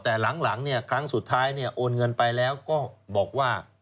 แต่หลังครั้งสุดท้ายโอนเงินไปแล้วก็บอกว่า